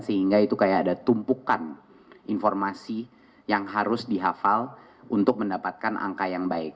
sehingga itu kayak ada tumpukan informasi yang harus dihafal untuk mendapatkan angka yang baik